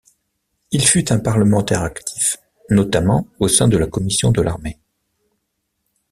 Il fut un parlementaire actif, notamment au sein de la commission de l'armée.